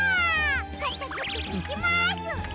かたづけてきます！